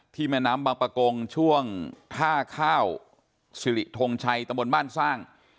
แม่น้ำบางประกงช่วงท่าข้าวสิริทงชัยตะบนบ้านสร้าง